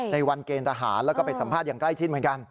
ในวันเกณฑ์ทหารแล้วก็ไปสัมภาษณ์อย่างใกล้ชิดเหมือนกัน